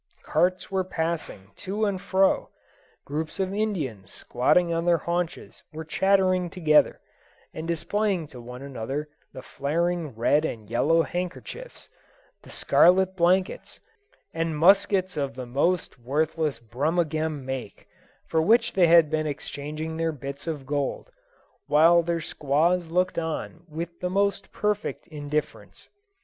Carts were passing to and fro; groups of Indians squatting on their haunches were chattering together, and displaying to one another the flaring red and yellow handkerchiefs, the scarlet blankets, and muskets of the most worthless Brummagem make, for which they had been exchanging their bits of gold, while their squaws looked on with the most perfect indifference.